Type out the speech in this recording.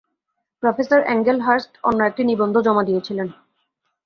Professor Angel Hurst অন্য একটি নিবন্ধ জমা দিয়েছিলেন।